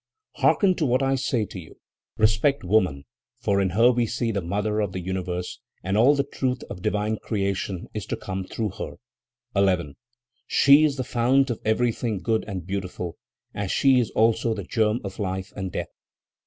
"Hearken to what I say to you: Respect woman; for in her we see the mother of the universe, and all the truth of divine creation is to come through her. 11. "She is the fount of everything good and beautiful, as she is also the germ of life and death.